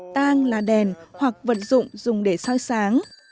tang là đèn hoặc vật dụng dùng để soi sáng